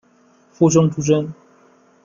附生出身。